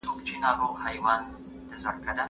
اوبه چې کواړې کواړې اوړي، لکه غرونه ښکاري